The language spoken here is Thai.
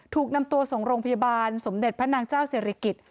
ถูกนำตัวส่งโรงพยาบาลสมเด็จพระนางเจ้าศิริกิจ